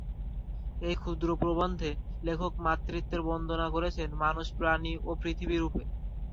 এই ক্ষুদ্র প্রবন্ধে লেখক মাতৃত্বের বন্দনা করেছেন; মানুষ, প্রাণী ও পৃথিবী রূপে।